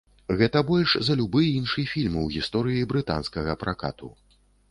Гэта больш за любы іншы фільм у гісторыі брытанскага пракату.